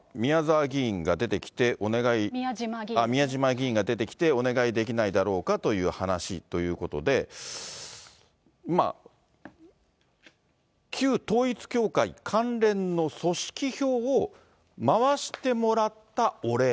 まあ、宮島議員が出てきて、お願いできないだろうかという話ということで、旧統一教会関連の組織票を回してもらったお礼。